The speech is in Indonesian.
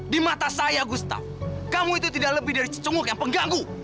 di mata saya gustaf kamu itu tidak lebih dari cecunguk yang pengganggu